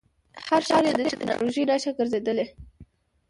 هر ښار یې د ټکنالوژۍ نښه ګرځېدلی.